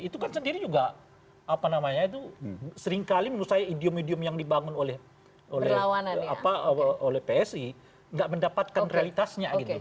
itu kan sendiri juga seringkali menurut saya idiom idiom yang dibangun oleh psi enggak mendapatkan realitasnya